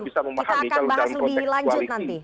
kita akan bahas lebih lanjut nanti